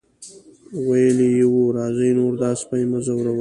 ویلي یې وو راځئ نور دا سپی مه ځوروئ.